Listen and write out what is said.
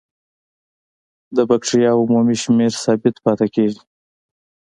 د بکټریاوو عمومي شمېر ثابت پاتې کیږي.